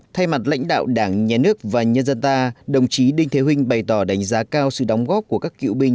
thay mặt lãnh đạo đảng nhà nước và nhân dân ta đồng chí đinh thế huynh bày tỏ đánh giá cao sự đóng góp của các cựu binh